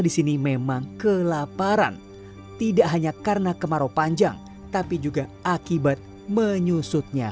di sini memang kelaparan tidak hanya karena kemarau panjang tapi juga akibat menyusutnya